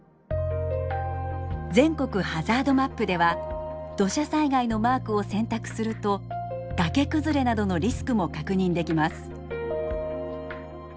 全国ハザードマップでは土砂災害のマークを選択すると崖崩れなどのリスクも確認できます。